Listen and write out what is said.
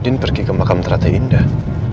adin pergi ke makam teratai indah